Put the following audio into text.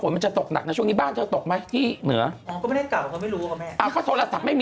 มีช่วงมอลสุมของพักใต้ไหม